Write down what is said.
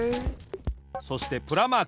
そして「プラ」マーク。